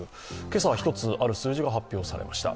今朝は１つ、ある数字が発表されました。